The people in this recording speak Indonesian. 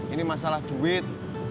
ini masalah duit